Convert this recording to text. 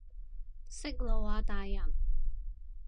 息怒啊大人